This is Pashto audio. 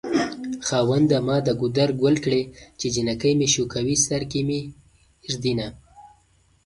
خاونده ما د ګودر ګل کړې چې جنکۍ مې شوکوي سر کې مې ږدينه